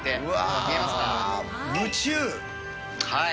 うわー、夢中。